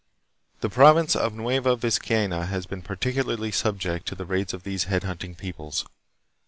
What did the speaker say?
The province of Nueva Vizcaya has been particularly subject to the raids of these head hunting peoples.